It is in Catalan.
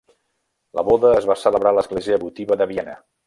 La boda es va celebrar a l'Església votiva de Viena.